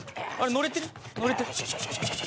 乗れてる。